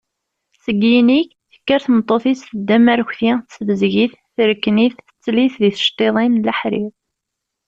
Seg yinig, tekker tmeṭṭut-is, teddem arekti, tessebzeg-it, terekn-it, tettel-it deg tceṭṭiḍin n leḥrir.